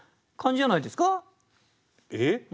えっ？